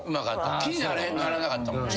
気にならなかったもん。